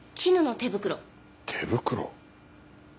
手袋？